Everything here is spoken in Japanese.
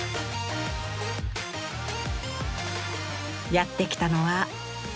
やってきたのは。